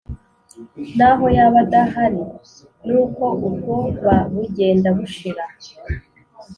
n’aho yaba adahari n nuko ubwobabugenda bushira.